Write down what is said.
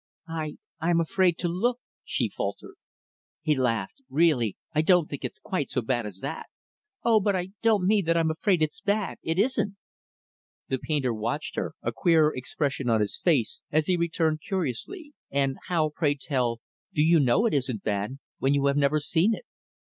"I I am afraid to look," she faltered. He laughed. "Really I don't think it's quite so bad as that." "Oh, but I don't mean that I'm afraid it's bad it isn't." The painter watched her, a queer expression on his face, as he returned curiously, "And how, pray tell, do you know it isn't bad when you have never seen it?